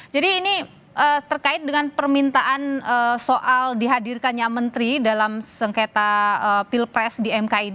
jadi ini terkait dengan permintaan soal dihadirkannya menteri dalam sengketa pilpres di mkid